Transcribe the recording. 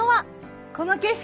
この景色。